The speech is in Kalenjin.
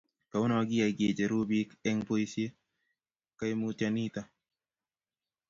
kou noe kiyai ke cheru biik eng' boisie kaimutie nito